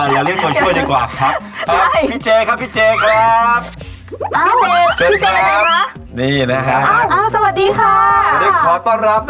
แล้วเรียกโดยช่วยดีกว่าครับพี่เจครับครับพี่เจครับ